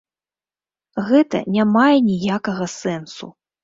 Гэта не мае ніякага сэнсу.